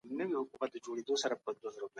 د علومو ترمنځ د بېلوالي ليکه ډېره باريکه ده.